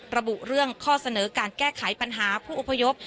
ระบุเรื่องข้อเสนอการแก้ไขปัญหาผู้อพยพ